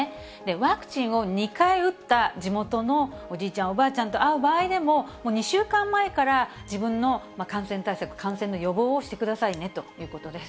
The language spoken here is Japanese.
ワクチンを２回打った地元のおじいちゃん、おばあちゃんと会う場合でも、２週間前から自分の感染対策、感染の予防をしてくださいねということです。